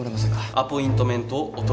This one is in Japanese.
アポイントメントをお取りください。